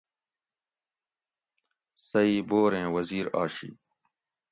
سہ ئ بوریں وزیر آشی